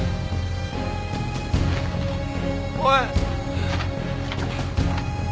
おい。